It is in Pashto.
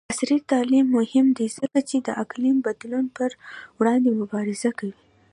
عصري تعلیم مهم دی ځکه چې د اقلیم بدلون پر وړاندې مبارزه کوي.